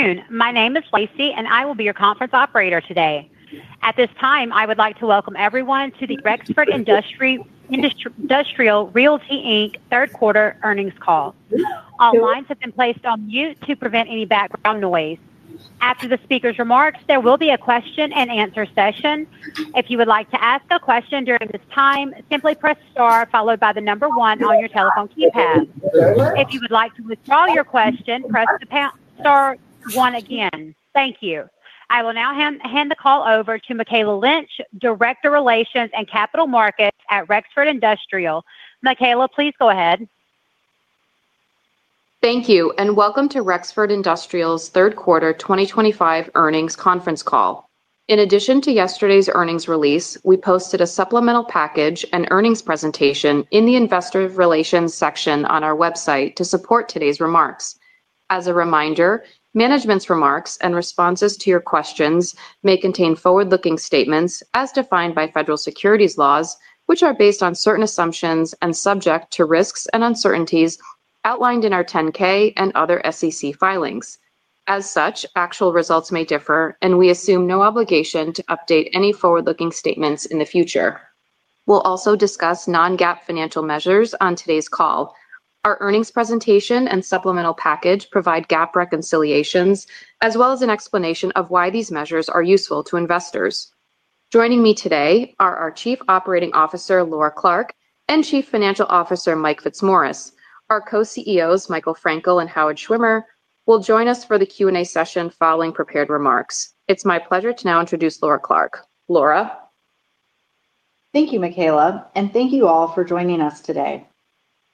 Good afternoon. My name is Lacey, and I will be your conference operator today. At this time, I would like to welcome everyone to the Rexford Industrial Realty, Inc. Third Quarter Earnings Call. All lines have been placed on mute to prevent any background noise. After the speaker's remarks, there will be a question and answer session. If you would like to ask a question during this time, simply press star followed by the number one on your telephone keypad. If you would like to withdraw your question, press the star one again. Thank you. I will now hand the call over to Mikayla Lynch, Director of Investor Relations and Capital Markets at Rexford Industrial Realty, Inc. Mikayla, please go ahead. Thank you, and welcome to Rexford Industrial Realty, Inc.'s third quarter 2025 earnings conference call. In addition to yesterday's earnings release, we posted a supplemental package and earnings presentation in the Investor Relations section on our website to support today's remarks. As a reminder, management's remarks and responses to your questions may contain forward-looking statements as defined by Federal Securities Laws, which are based on certain assumptions and subject to risks and uncertainties outlined in our 10-K and other SEC filings. As such, actual results may differ, and we assume no obligation to update any forward-looking statements in the future. We'll also discuss non-GAAP financial measures on today's call. Our earnings presentation and supplemental package provide GAAP reconciliations as well as an explanation of why these measures are useful to investors. Joining me today are our Chief Operating Officer, Laura Clark, and Chief Financial Officer, Mike Fitzmaurice. Our Co-Chief Executive Officers, Michael Frankel and Howard Schwimmer, will join us for the Q&A session following prepared remarks. It's my pleasure to now introduce Laura Clark. Laura. Thank you, Mikayla, and thank you all for joining us today.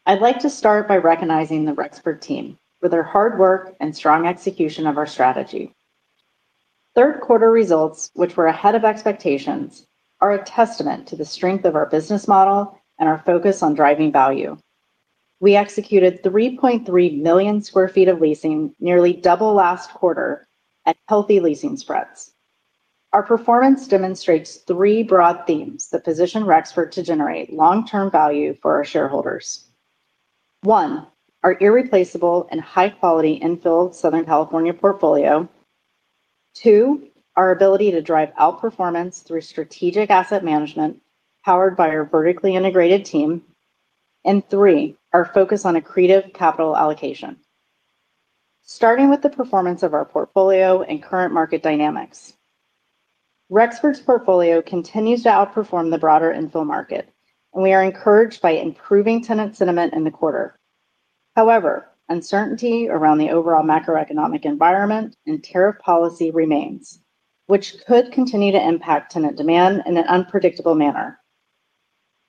I'd like to start by recognizing the Rexford team for their hard work and strong execution of our strategy. Third quarter results, which were ahead of expectations, are a testament to the strength of our business model and our focus on driving value. We executed 3.3 million square feet of leasing, nearly double last quarter, and healthy leasing spreads. Our performance demonstrates three broad themes that position Rexford to generate long-term value for our shareholders. One, our irreplaceable and high-quality infill Southern California portfolio. Two, our ability to drive outperformance through strategic asset management powered by our vertically integrated team. Three, our focus on a creative capital allocation. Starting with the performance of our portfolio and current market dynamics, Rexford's portfolio continues to outperform the broader infill market, and we are encouraged by improving tenant sentiment in the quarter. However, uncertainty around the overall macroeconomic environment and tariff policy remains, which could continue to impact tenant demand in an unpredictable manner.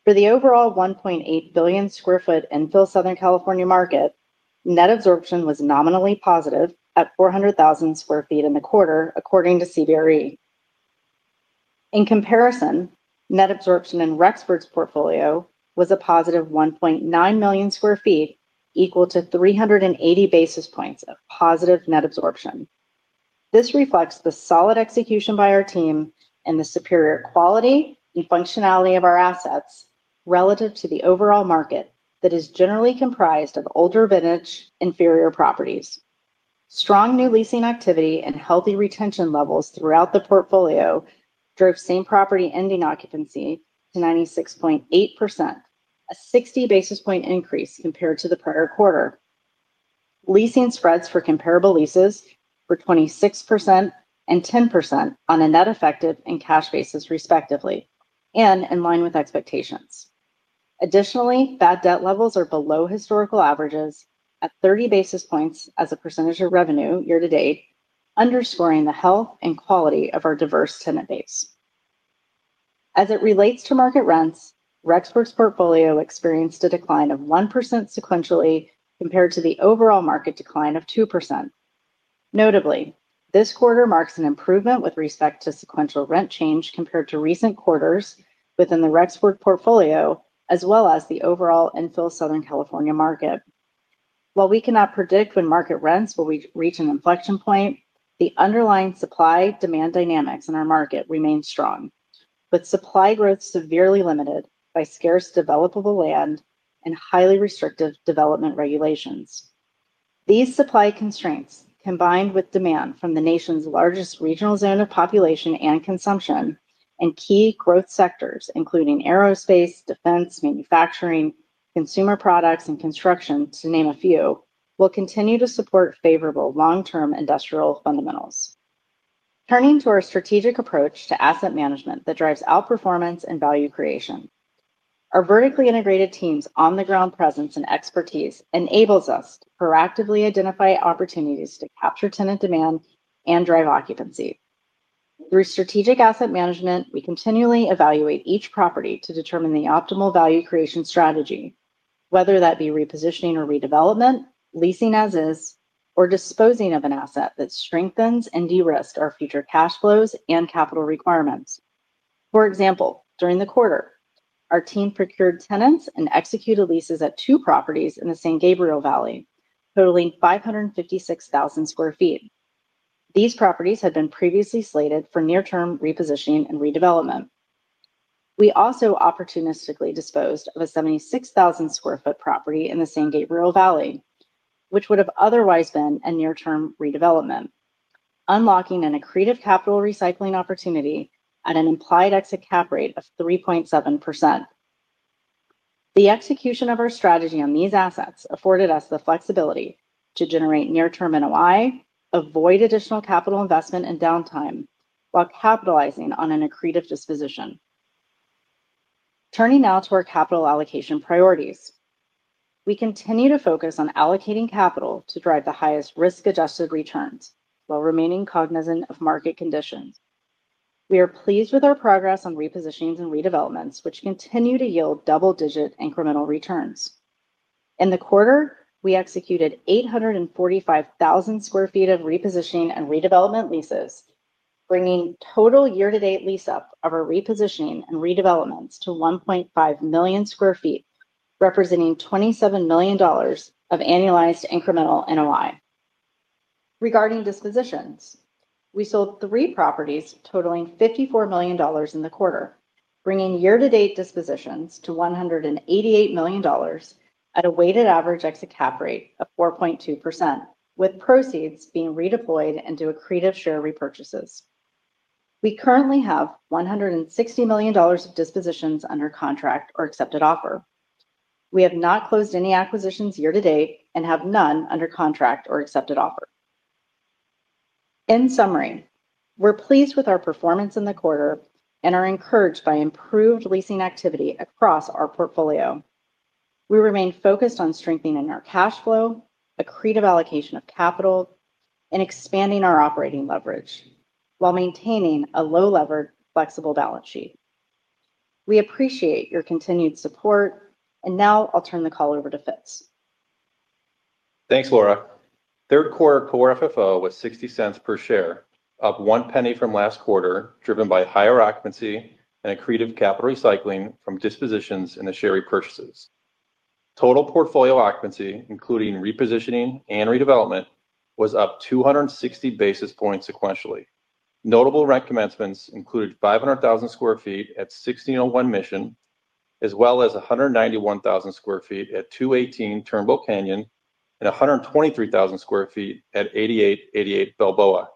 For the overall 1.8 billion square foot infill Southern California market, net absorption was nominally positive at 400,000 square feet in the quarter, according to CBRE. In comparison, net absorption in Rexford's portfolio was a positive 1.9 million square feet, equal to 380 basis points of positive net absorption. This reflects the solid execution by our team and the superior quality and functionality of our assets relative to the overall market that is generally comprised of older vintage inferior properties. Strong new leasing activity and healthy retention levels throughout the portfolio drove same property ending occupancy to 96.8%, a 60 basis point increase compared to the prior quarter. Leasing spreads for comparable leases were 26% and 10% on a net effective and cash basis, respectively, and in line with expectations. Additionally, bad debt levels are below historical averages at 30 basis points as a percentage of revenue year to date, underscoring the health and quality of our diverse tenant base. As it relates to market rents, Rexford's portfolio experienced a decline of 1% sequentially compared to the overall market decline of 2%. Notably, this quarter marks an improvement with respect to sequential rent change compared to recent quarters within the Rexford Industrial Realty, Inc. portfolio, as well as the overall infill Southern California market. While we cannot predict when market rents will reach an inflection point, the underlying supply-demand dynamics in our market remain strong, with supply growth severely limited by scarce developable land and highly restrictive development regulations. These supply constraints, combined with demand from the nation's largest regional zone of population and consumption and key growth sectors, including aerospace, defense, manufacturing, consumer products, and construction, to name a few, will continue to support favorable long-term industrial fundamentals. Turning to our strategic approach to asset management that drives outperformance and value creation, our vertically integrated team's on-the-ground presence and expertise enable us to proactively identify opportunities to capture tenant demand and drive occupancy. Through strategic asset management, we continually evaluate each property to determine the optimal value creation strategy, whether that be repositioning or redevelopment, leasing as is, or disposing of an asset that strengthens and de-risk our future cash flows and capital requirements. For example, during the quarter, our team procured tenants and executed leases at two properties in the San Gabriel Valley, totaling 556,000 sqf. These properties had been previously slated for near-term repositioning and redevelopment. We also opportunistically disposed of a 76,000 sqf property in the San Gabriel Valley, which would have otherwise been a near-term redevelopment, unlocking an accretive capital recycling opportunity at an implied exit cap rate of 3.7%. The execution of our strategy on these assets afforded us the flexibility to generate near-term NOI, avoid additional capital investment and downtime, while capitalizing on an accretive disposition. Turning now to our capital allocation priorities, we continue to focus on allocating capital to drive the highest risk-adjusted returns while remaining cognizant of market conditions. We are pleased with our progress on repositionings and redevelopments, which continue to yield double-digit incremental returns. In the quarter, we executed 845,000sqf of repositioning and redevelopment leases, bringing total year-to-date lease up of our repositioning and redevelopments to 1.5 million sqf, representing $27 million of annualized incremental NOI. Regarding dispositions, we sold three properties totaling $54 million in the quarter, bringing year-to-date dispositions to $188 million at a weighted average exit cap rate of 4.2%, with proceeds being redeployed into accretive share repurchases. We currently have $160 million of dispositions under contract or accepted offer. We have not closed any acquisitions year to date and have none under contract or accepted offer. In summary, we're pleased with our performance in the quarter and are encouraged by improved leasing activity across our portfolio. We remain focused on strengthening our cash flow, accretive allocation of capital, and expanding our operating leverage while maintaining a low-lever, flexible balance sheet. We appreciate your continued support, and now I'll turn the call over to Fitz. Thanks, Laura. Third quarter core FFO was $0.60 per share, up one penny from last quarter, driven by higher occupancy and accretive capital recycling from dispositions and the share repurchases. Total portfolio occupancy, including repositioning and redevelopment, was up 260 basis points sequentially. Notable rent commencements included 500,000 square feet at 1601 Mission, as well as 191,000 square feet at 218 Turnbull Canyon, and 123,000 square feet at 8888 Balboa,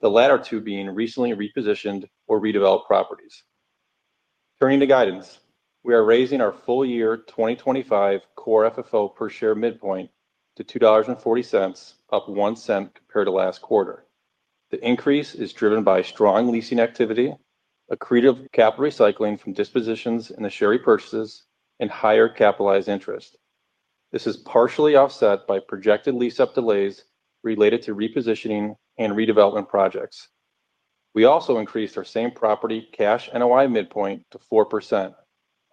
the latter two being recently repositioned or redeveloped properties. Turning to guidance, we are raising our full-year 2025 core FFO per share midpoint to $2.40, up $0.01 compared to last quarter. The increase is driven by strong leasing activity, accretive capital recycling from dispositions and the share repurchases, and higher capitalized interest. This is partially offset by projected lease-up delays related to repositioning and redevelopment projects. We also increased our same property cash NOI midpoint to 4%,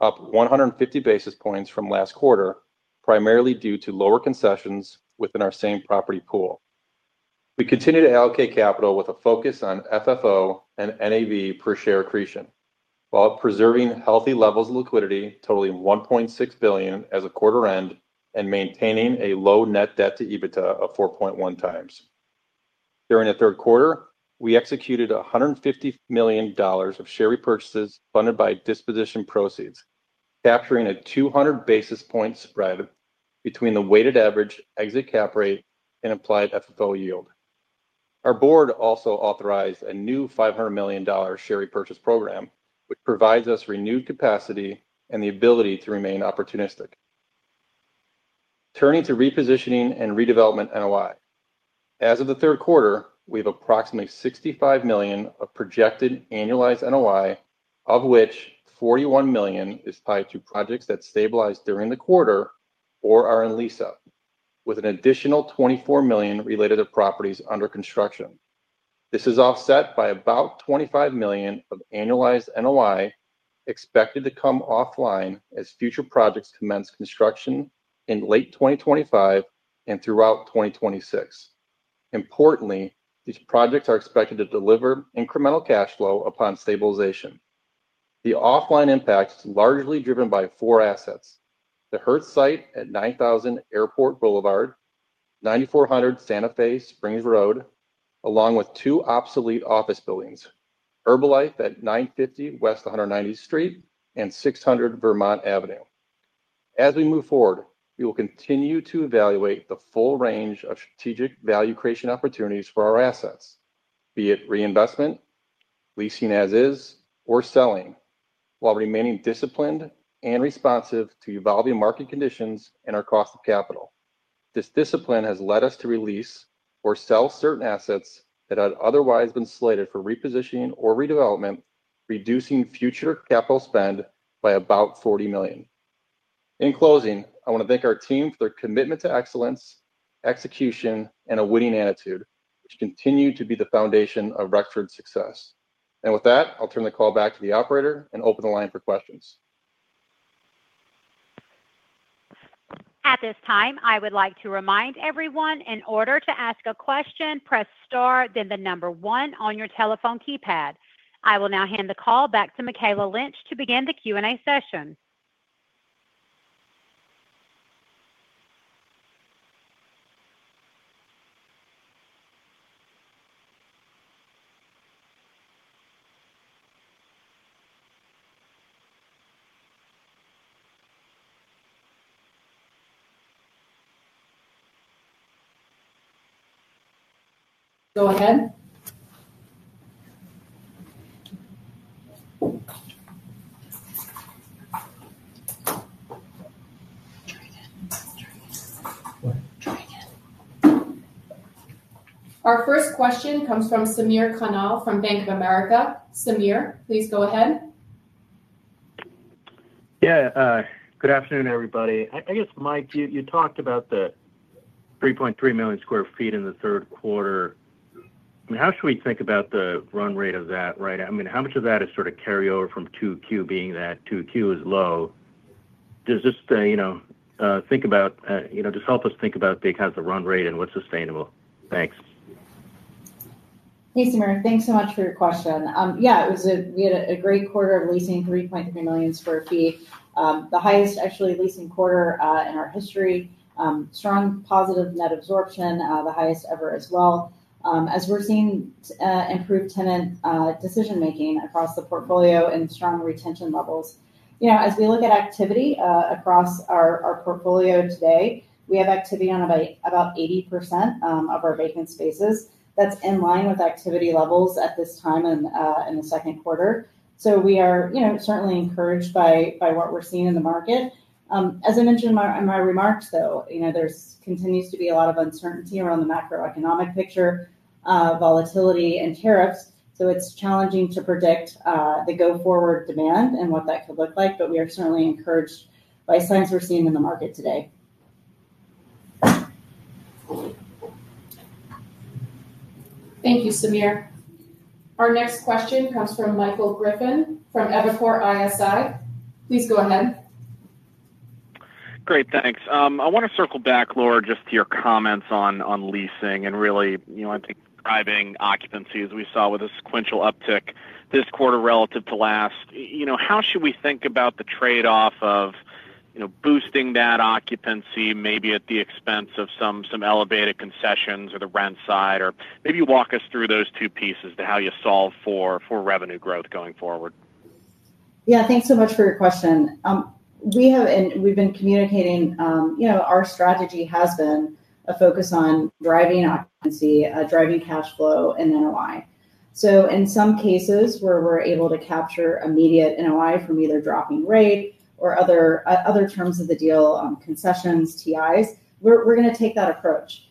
up 150 basis points from last quarter, primarily due to lower concessions within our same property pool. We continue to allocate capital with a focus on FFO and NAV per share accretion while preserving healthy levels of liquidity, totaling $1.6 billion as of quarter end, and maintaining a low net debt to EBITDA of 4.1 times. During the third quarter, we executed $150 million of share repurchases funded by disposition proceeds, capturing a 200 basis point spread between the weighted average exit cap rate and implied FFO yield. Our board also authorized a new $500 million share repurchase program, which provides us renewed capacity and the ability to remain opportunistic. Turning to repositioning and redevelopment NOI, as of the third quarter, we have approximately $65 million of projected annualized NOI, of which $41 million is tied to projects that stabilized during the quarter or are in lease up, with an additional $24 million related to properties under construction. This is offset by about $25 million of annualized NOI expected to come offline as future projects commence construction in late 2025 and throughout 2026. Importantly, these projects are expected to deliver incremental cash flow upon stabilization. The offline impacts are largely driven by four assets: the Hertz site at 9000 Airport Boulevard, 9400 Santa Fe Springs Road, along with two obsolete office buildings: Herbalife at 950 West 190th Street and 600 Vermont Avenue. As we move forward, we will continue to evaluate the full range of strategic value creation opportunities for our assets, be it reinvestment, leasing as is, or selling, while remaining disciplined and responsive to evolving market conditions and our cost of capital. This discipline has led us to release or sell certain assets that had otherwise been slated for repositioning or redevelopment, reducing future capital spend by about $40 million. In closing, I want to thank our team for their commitment to excellence, execution, and a winning attitude, which continue to be the foundation of Rexford's success. With that, I'll turn the call back to the operator and open the line for questions. At this time, I would like to remind everyone, in order to ask a question, press star, then the number one on your telephone keypad. I will now hand the call back to Mikayla Lynch to begin the Q&A session. Go ahead. Our first question comes from Samir Khanal from Bank of America. Samir, please go ahead. Good afternoon, everybody. Mike, you talked about the 3.3 million square feet in the third quarter. How should we think about the run rate of that? How much of that is sort of carryover from 2Q, being that 2Q is low? Just help us think about the run rate and what's sustainable. Thanks. Hey, Samir. Thanks so much for your question. Yeah, we had a great quarter of leasing, 3.3 million square feet. The highest, actually, leasing quarter in our history. Strong, positive net absorption, the highest ever as well. As we're seeing improved tenant decision-making across the portfolio and strong retention levels, you know, as we look at activity across our portfolio today, we have activity on about 80% of our vacant spaces. That's in line with activity levels at this time in the second quarter. We are certainly encouraged by what we're seeing in the market. As I mentioned in my remarks, though, there continues to be a lot of uncertainty around the macroeconomic picture, volatility, and tariffs. It's challenging to predict the go-forward demand and what that could look like, but we are certainly encouraged by signs we're seeing in the market today. Thank you, Samir. Our next question comes from Michael Griffin from Evercore ISI. Please go ahead. Great, thanks. I want to circle back, Laura, just to your comments on leasing and really, you know, I think driving occupancy as we saw with a sequential uptick this quarter relative to last. You know, how should we think about the trade-off of, you know, boosting that occupancy maybe at the expense of some elevated concessions or the rent side? Or maybe walk us through those two pieces to how you solve for revenue growth going forward. Yeah, thanks so much for your question. We have, and we've been communicating, you know, our strategy has been a focus on driving occupancy, driving cash flow, and NOI. In some cases where we're able to capture immediate NOI from either dropping rate or other terms of the deal, concessions, TIs, we're going to take that approach.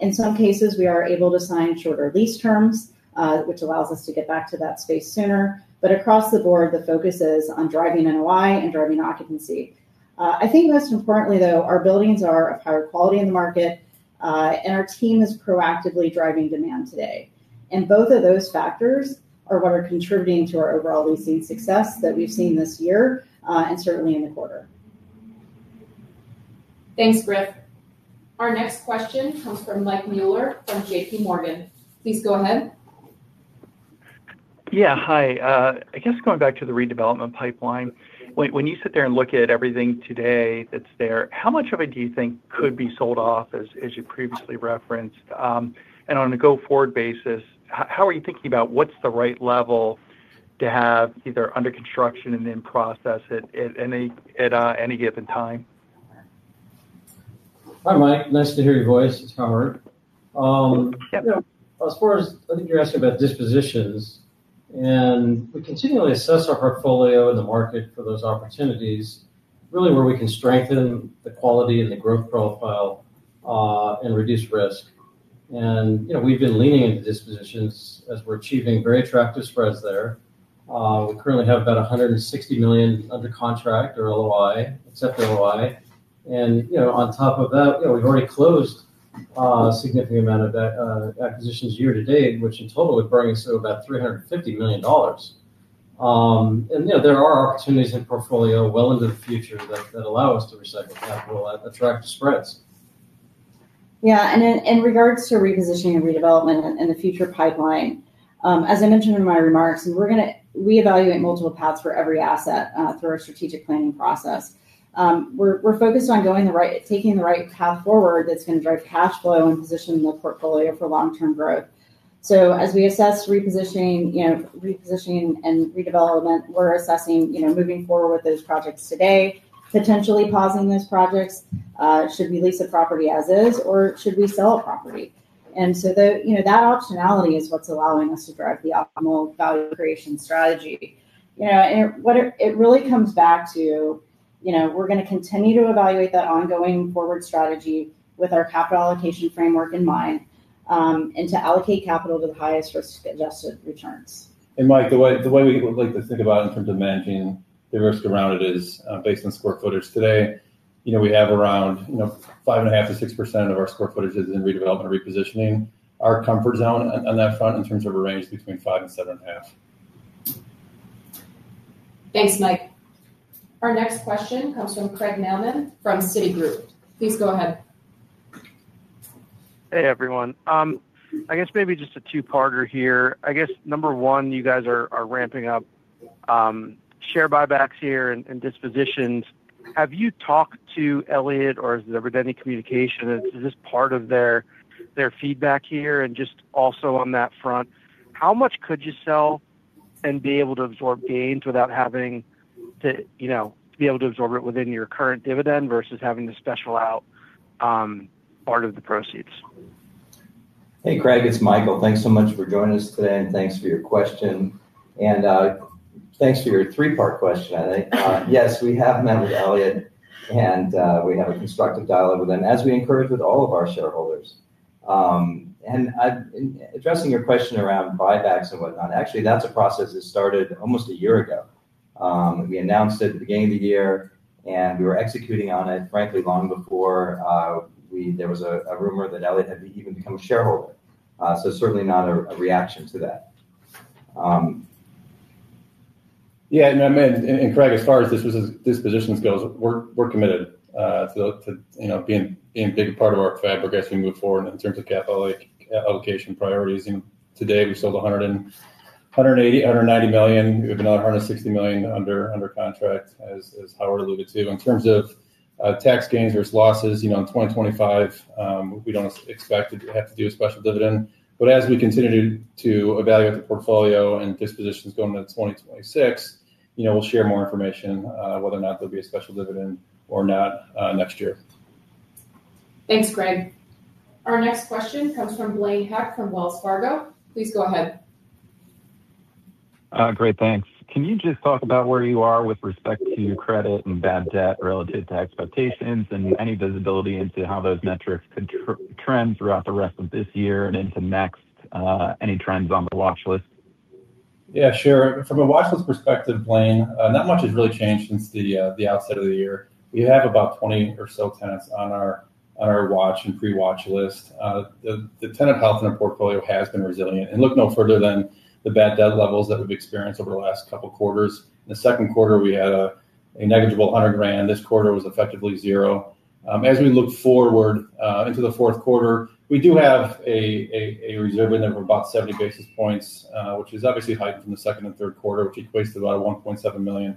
In some cases, we are able to sign shorter lease terms, which allows us to get back to that space sooner. Across the board, the focus is on driving NOI and driving occupancy. I think most importantly, though, our buildings are of higher quality in the market, and our team is proactively driving demand today. Both of those factors are what are contributing to our overall leasing success that we've seen this year and certainly in the quarter. Thanks, Griff. Our next question comes from Mike Mueller from J.P. Morgan. Please go ahead. Yeah, hi. I guess going back to the redevelopment pipeline, when you sit there and look at everything today that's there, how much of it do you think could be sold off, as you previously referenced? On a go-forward basis, how are you thinking about what's the right level to have either under construction and then process it at any given time? Hi, Mike. Nice to hear your voice. It's Howard. Yep. As far as I think you're asking about dispositions, we continually assess our portfolio in the market for those opportunities, really where we can strengthen the quality and the growth profile and reduce risk. We've been leaning into dispositions as we're achieving very attractive spreads there. We currently have about $160 million under contract or accepted LOI. On top of that, we've already closed a significant amount of acquisitions year to date, which in total would bring us to about $350 million. There are opportunities in the portfolio well into the future that allow us to recycle capital at attractive spreads. Yeah, and in regards to repositioning and redevelopment and the future pipeline, as I mentioned in my remarks, we evaluate multiple paths for every asset through our strategic planning process. We're focused on taking the right path forward that's going to drive cash flow and position the portfolio for long-term growth. As we assess repositioning and redevelopment, we're assessing moving forward with those projects today, potentially pausing those projects. Should we lease a property as is, or should we sell a property? That optionality is what's allowing us to drive the optimal value creation strategy. It really comes back to we're going to continue to evaluate that ongoing forward strategy with our capital allocation framework in mind and to allocate capital to the highest risk-adjusted returns. Mike, the way we like to think about it in terms of managing the risk around it is based on square footage. Today, we have around 5.5%-6% of our square footage in redevelopment or repositioning. Our comfort zone on that front is in terms of a range between 5% and 7.5%. Thanks, Mike. Our next question comes from Craig Melman from Citi. Please go ahead. Hey, everyone. Maybe just a two-parter here. Number one, you guys are ramping up share buybacks here and dispositions. Have you talked to Elliott or has there been any communication? Is this part of their feedback here? Also, on that front, how much could you sell and be able to absorb gains without having to, you know, be able to absorb it within your current dividend versus having to special out part of the proceeds? Hey, Craig. It's Michael. Thanks so much for joining us today and thanks for your question. Thanks for your three-part question, I think. Yes, we have met with Elliott and we have a constructive dialogue with them, as we encourage with all of our shareholders. Addressing your question around buybacks and whatnot, actually, that's a process that started almost a year ago. We announced it at the beginning of the year, and we were executing on it, frankly, long before there was a rumor that Elliott had even become a shareholder. Certainly not a reaction to that. Yeah, Craig, as far as dispositions go, we're committed to being a bigger part of our fabric as we move forward in terms of capital allocation priorities. Today, we sold $180 million, and we have another $160 million under contract, as Howard alluded to. In terms of tax gains versus losses, you know, in 2025, we don't expect to have to do a special dividend. As we continue to evaluate the portfolio and dispositions going into 2026, we'll share more information whether or not there'll be a special dividend or not next year. Thanks, Craig. Our next question comes from Blaine Heck from Wells Fargo. Please go ahead. Great, thanks. Can you just talk about where you are with respect to credit and bad debt relative to expectations, and any visibility into how those metrics could trend throughout the rest of this year and into next? Any trends on the watchlist? Yeah, sure. From a watchlist perspective, Blaine, not much has really changed since the outset of the year. We have about 20 or so tenants on our watch and pre-watch list. The tenant health in the portfolio has been resilient and look no further than the bad debt levels that we've experienced over the last couple of quarters. In the second quarter, we had a negligible $100,000. This quarter was effectively zero. As we look forward into the fourth quarter, we do have a reserving of about 70 basis points, which is obviously heightened from the second and third quarter, which equates to about $1.7 million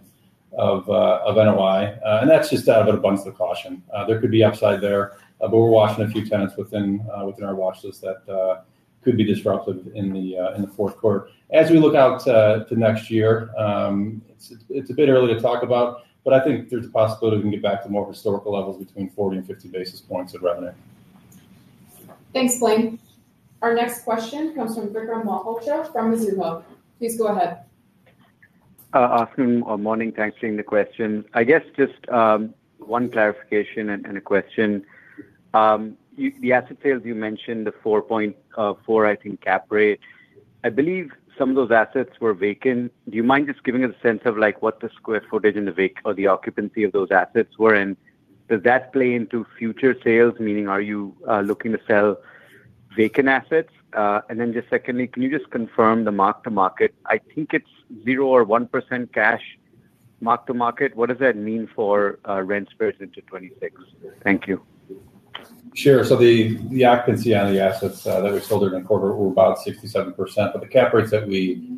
of NOI. That's just out of an abundance of caution. There could be upside there, but we're watching a few tenants within our watchlist that could be disruptive in the fourth quarter. As we look out to next year, it's a bit early to talk about, but I think there's a possibility we can get back to more historical levels between 40% and 50% of revenue. Thanks, Blaine. Our next question comes from Vikram Malhotra from Mizuho. Please go ahead. Awesome. Good morning. Thanks for the question. I guess just one clarification and a question. The asset sales you mentioned, the 4.4% cap rate, I believe some of those assets were vacant. Do you mind just giving us a sense of what the square footage and the vacant or the occupancy of those assets were? Does that play into future sales, meaning are you looking to sell vacant assets? Secondly, can you just confirm the mark-to-market? I think it's 0% or 1% cash mark-to-market. What does that mean for rent spreads into 2026? Thank you. Sure. The occupancy on the assets that we sold during the quarter was about 67%, but the cap rates that we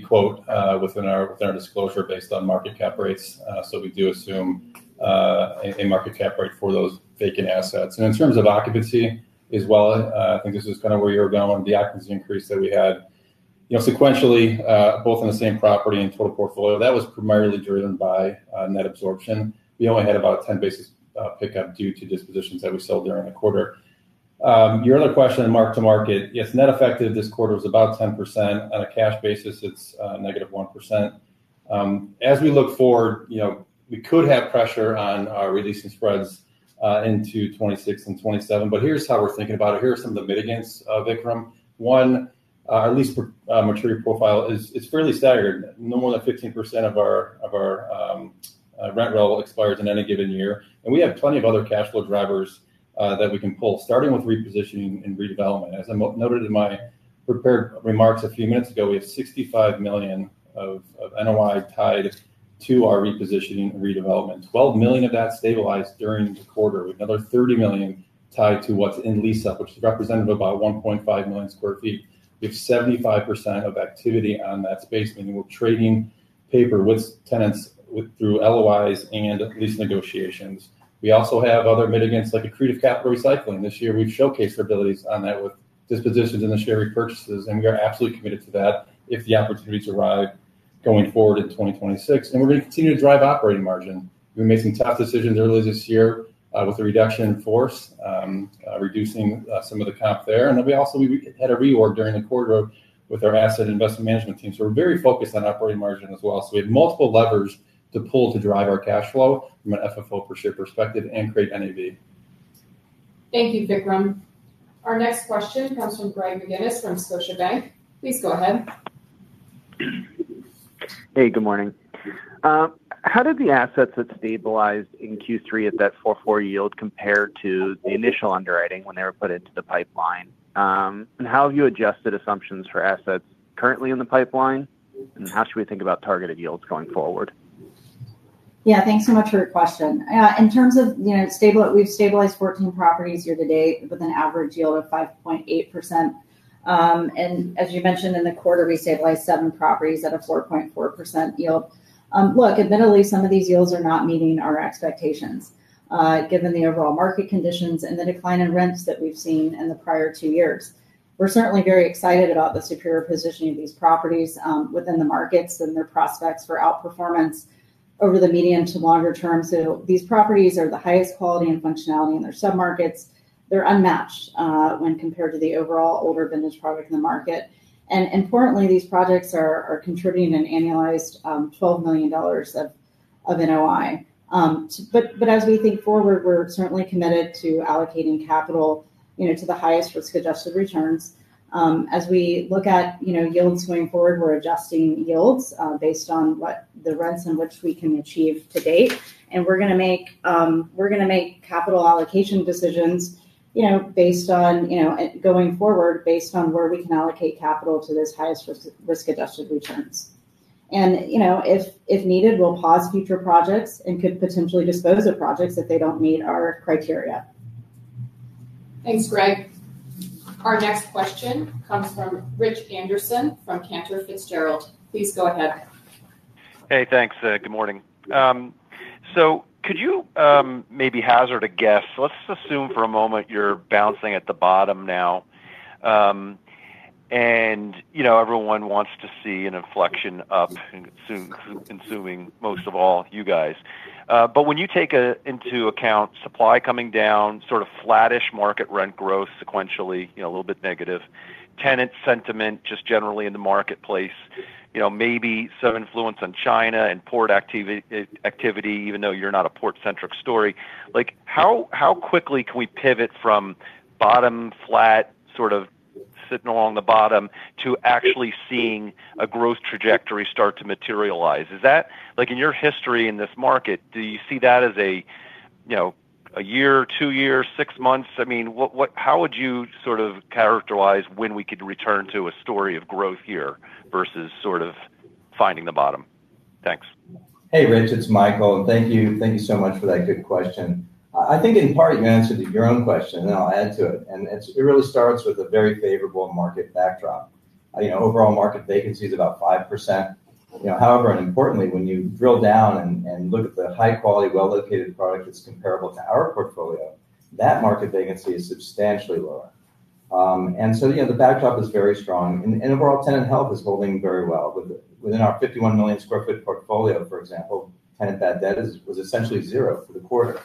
quote within our disclosure are based on market cap rates. We do assume a market cap rate for those vacant assets. In terms of occupancy as well, I think this is kind of where you're going. The occupancy increase that we had sequentially, both in the same property and total portfolio, was primarily driven by net absorption. We only had about a 10 basis point pickup due to dispositions that we sold during the quarter. Your other question on mark-to-market, yes, net effective this quarter was about 10%. On a cash basis, it's negative 1%. As we look forward, we could have pressure on our releasing spreads into 2026 and 2027, but here's how we're thinking about it. Here are some of the mitigants, Vikram. One, our lease maturity profile is fairly staggered. No more than 15% of our rent level expires in any given year. We have plenty of other cash flow drivers that we can pull, starting with repositioning and redevelopment. As I noted in my prepared remarks a few minutes ago, we have $65 million of NOI tied to our repositioning and redevelopment. $12 million of that stabilized during the quarter. We have another $30 million tied to what's in lease up, which is representative of about 1.5 million square feet. We have 75% of activity on that space, meaning we're trading paper with tenants through LOIs and lease negotiations. We also have other mitigants like accretive capital recycling. This year, we've showcased our abilities on that with dispositions and the share repurchases, and we are absolutely committed to that if the opportunities arrive going forward in 2026. We're going to continue to drive operating margin. We made some tough decisions earlier this year with the reduction in force, reducing some of the comp there. We also had a reorg during the quarter with our asset investment management team. We are very focused on operating margin as well. We have multiple levers to pull to drive our cash flow from an FFO per share perspective and create NAV. Thank you, Vikram. Our next question comes from Greg McGuinness from Scotiabank. Please go ahead. Hey, good morning. How did the assets that stabilized in Q3 at that 4.4% yield compare to the initial underwriting when they were put into the pipeline? How have you adjusted assumptions for assets currently in the pipeline? How should we think about targeted yields going forward? Yeah, thanks so much for your question. In terms of, you know, we've stabilized 14 properties year to date with an average yield of 5.8%. As you mentioned, in the quarter, we stabilized seven properties at a 4.4% yield. Admittedly, some of these yields are not meeting our expectations given the overall market conditions and the decline in rents that we've seen in the prior two years. We're certainly very excited about the superior positioning of these properties within the markets and their prospects for outperformance over the medium to longer term. These properties are the highest quality and functionality in their submarkets. They're unmatched when compared to the overall older vintage product in the market. Importantly, these projects are contributing an annualized $12 million of NOI. As we think forward, we're certainly committed to allocating capital to the highest risk-adjusted returns. As we look at yields going forward, we're adjusting yields based on what the rents in which we can achieve to date. We're going to make capital allocation decisions going forward based on where we can allocate capital to those highest risk-adjusted returns. If needed, we'll pause future projects and could potentially dispose of projects if they don't meet our criteria. Thanks, Greg. Our next question comes from Rich Anderson from Cantor Fitzgerald. Please go ahead. Hey, thanks. Good morning. Could you maybe hazard a guess? Let's assume for a moment you're bouncing at the bottom now. You know, everyone wants to see an inflection up, and consuming most of all you guys. When you take into account supply coming down, sort of flattish market rent growth sequentially, a little bit negative, tenant sentiment just generally in the marketplace, maybe some influence on China and port activity, even though you're not a port-centric story, how quickly can we pivot from bottom flat, sort of sitting along the bottom to actually seeing a growth trajectory start to materialize? Is that, like, in your history in this market, do you see that as a year, two years, six months? I mean, what, how would you sort of characterize when we could return to a story of growth here versus sort of finding the bottom? Thanks. Hey, Rich. It's Michael. Thank you so much for that good question. I think in part you answered your own question, and then I'll add to it. It really starts with a very favorable market backdrop. Overall market vacancy is about 5%. However, and importantly, when you drill down and look at the high-quality, well-located product that's comparable to our portfolio, that market vacancy is substantially lower. The backdrop is very strong. Overall, tenant health is holding very well. Within our 51 million square foot portfolio, for example, tenant bad debt was essentially zero for the quarter.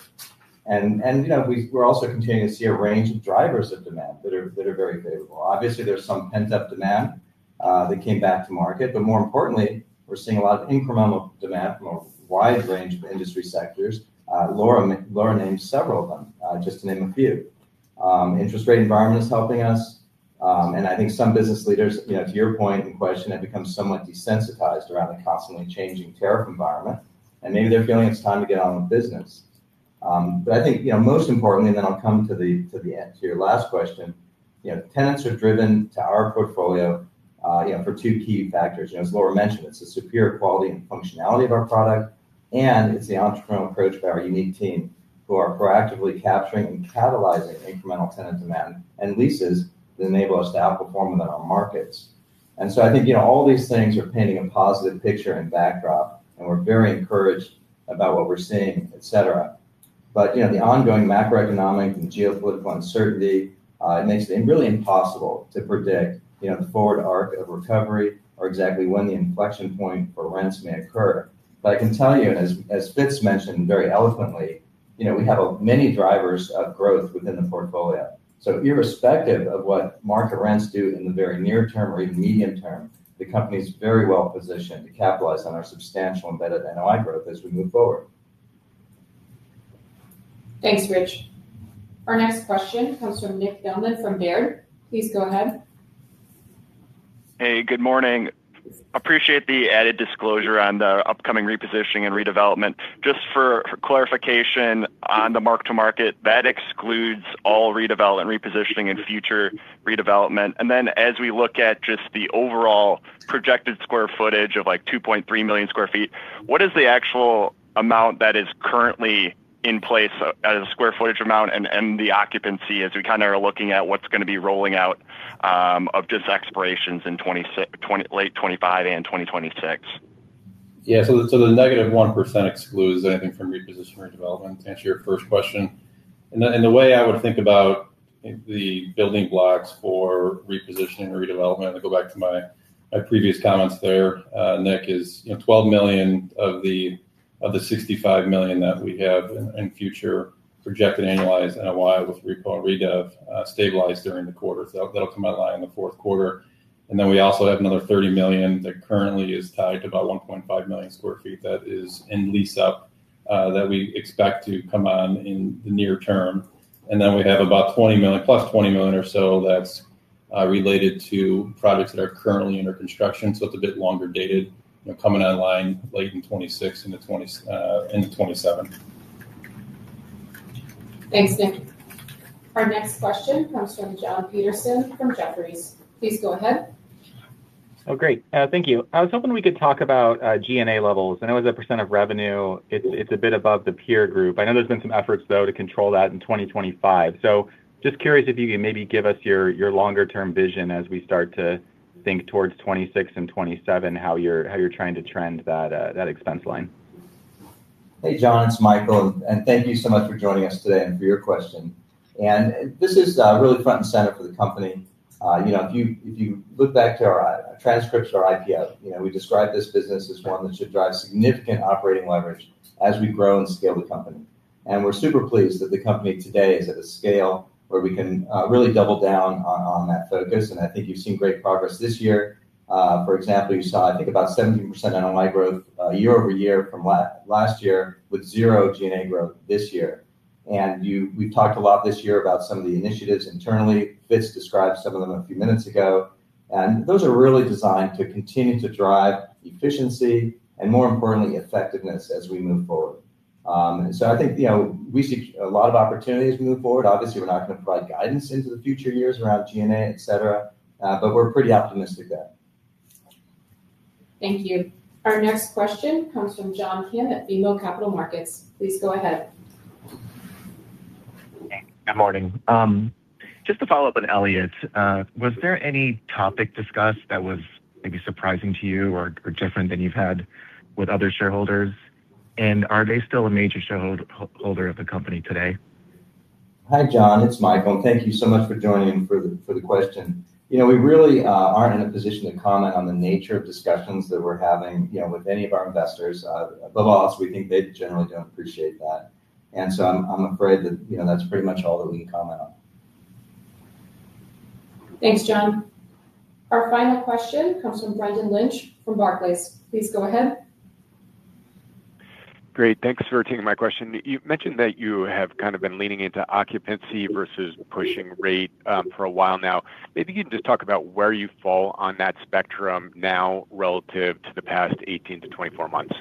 We're also continuing to see a range of drivers of demand that are very favorable. Obviously, there's some pent-up demand that came back to market. More importantly, we're seeing a lot of incremental demand from a wide range of industry sectors. Laura named several of them, just to name a few. The interest rate environment is helping us. I think some business leaders, to your point in question, have become somewhat desensitized around the constantly changing tariff environment. Maybe they're feeling it's time to get on with business. I think, most importantly, and then I'll come to your last question, tenants are driven to our portfolio for two key factors. As Laura mentioned, it's the superior quality and functionality of our product, and it's the entrepreneurial approach by our unique team who are proactively capturing and catalyzing incremental tenant demand and leases that enable us to outperform within our markets. I think all these things are painting a positive picture and backdrop. We're very encouraged about what we're seeing, etc. The ongoing macroeconomic and geopolitical uncertainty makes it really impossible to predict the forward arc of recovery or exactly when the inflection point for rents may occur. I can tell you, and as Fitz mentioned very eloquently, we have many drivers of growth within the portfolio. Irrespective of what market rents do in the very near term or even medium term, the company's very well positioned to capitalize on our substantial embedded NOI growth as we move forward. Thanks, Rich. Our next question comes from Nick Gilman from Baird. Please go ahead. Hey, good morning. Appreciate the added disclosure on the upcoming repositioning and redevelopment. Just for clarification on the mark-to-market, that excludes all redevelopment, repositioning, and future redevelopment. As we look at just the overall projected square footage of $2.3 million square feet, what is the actual amount that is currently in place as a square footage amount and the occupancy as we are looking at what's going to be rolling out of just expirations in late 2025 and 2026? Yeah, so the negative 1% excludes anything from repositioning or development to answer your first question. The way I would think about the building blocks for repositioning or redevelopment, I'll go back to my previous comments there, Nick, is $12 million of the $65 million that we have in future projected annualized NOI with repo and redev stabilized during the quarter. That'll come out of line in the fourth quarter. We also have another $30 million that currently is tied to about 1.5 million square feet that is in lease up that we expect to come on in the near term. We have about $20 million, plus $20 million or so that's related to projects that are currently under construction. It's a bit longer dated, you know, coming online late in 2026 and 2027. Thanks, Nick. Our next question comes from John Peterson from Jefferies. Please go ahead. Oh, great. Thank you. I was hoping we could talk about G&A levels. I know as a percent of revenue, it's a bit above the peer group. I know there's been some efforts, though, to control that in 2025. Just curious if you can maybe give us your longer-term vision as we start to think towards 2026 and 2027, how you're trying to trend that expense line. Hey, John. It's Michael. Thank you so much for joining us today and for your question. This is really front and center for the company. If you look back to our transcripts or IPO, we describe this business as one that should drive significant operating leverage as we grow and scale the company. We're super pleased that the company today is at a scale where we can really double down on that focus. I think you've seen great progress this year. For example, you saw, I think, about 17% NOI growth year over year from last year with zero G&A growth this year. We've talked a lot this year about some of the initiatives internally. Fitz described some of them a few minutes ago. Those are really designed to continue to drive efficiency and, more importantly, effectiveness as we move forward. I think we see a lot of opportunities moving forward. Obviously, we're not going to provide guidance into the future years around G&A, etc., but we're pretty optimistic there. Thank you. Our next question comes from John Kim at BMO Capital Markets. Please go ahead. Good morning. Just to follow up on Elliott, was there any topic discussed that was maybe surprising to you or different than you've had with other shareholders? Are they still a major shareholder of the company today? Hi, John. It's Michael. Thank you so much for joining and for the question. We really aren't in a position to comment on the nature of discussions that we're having with any of our investors. Above all else, we think they generally don't appreciate that. I'm afraid that's pretty much all that we can comment on. Thanks, John. Our final question comes from Brendan Lynch from Barclays. Please go ahead. Great. Thanks for taking my question. You mentioned that you have kind of been leaning into occupancy versus pushing rate for a while now. Maybe you can just talk about where you fall on that spectrum now relative to the past 18 to 24 months.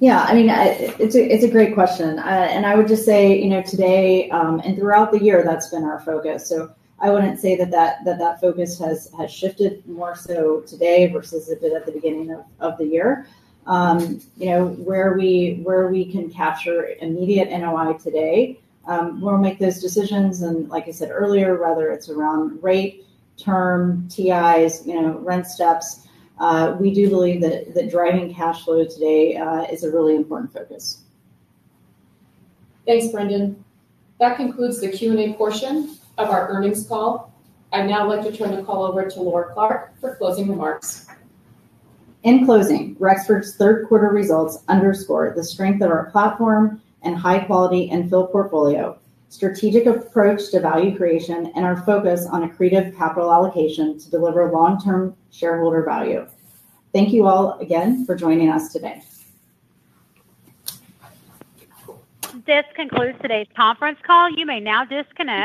Yeah, I mean, it's a great question. I would just say, you know, today and throughout the year, that's been our focus. I wouldn't say that focus has shifted more so today versus a bit at the beginning of the year. Where we can capture immediate NOI today, we'll make those decisions. Like I said earlier, whether it's around rate, term, TIs, you know, rent steps, we do believe that driving cash flow today is a really important focus. Thanks, Brendan. That concludes the Q&A portion of our earnings call. I'd now like to turn the call over to Laura Clark for closing remarks. closing, Rexford Industrial Realty, Inc.'s third quarter results underscore the strength of our platform and high-quality infill portfolio, strategic approach to value creation, and our focus on accretive capital allocation to deliver long-term shareholder value. Thank you all again for joining us today. This concludes today's conference call. You may now disconnect.